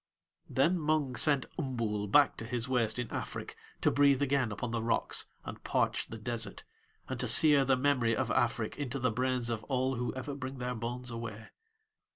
Then Mung sent Umbool back to his waste in Afrik to breathe again upon the rocks, and parch the desert, and to sear the memory of Afrik into the brains of all who ever bring their bones away.